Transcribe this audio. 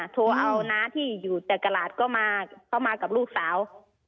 โทรเอาน้าที่อยู่แต่ตลาดก็มาเข้ามากับลูกสาว